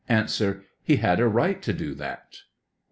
He had a right to do that.